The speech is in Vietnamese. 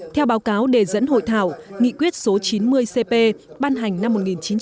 theo báo cáo đề dẫn hội thảo nghị quyết số chín mươi cp ban hành năm một nghìn chín trăm bảy mươi